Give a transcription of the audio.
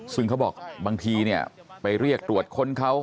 ซึ่งเขาบอกบางทีเนี่ยไปเรียกตรวจค้นเขา